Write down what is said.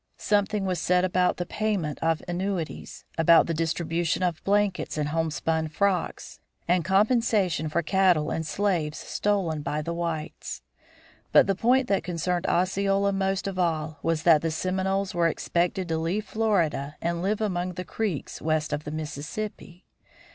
Something was said about the payment of annuities, about the distribution of blankets and homespun frocks, and compensation for cattle and slaves stolen by the whites. But the point that concerned Osceola most of all was that the Seminoles were expected to leave Florida and live among the Creeks west of the Mississippi!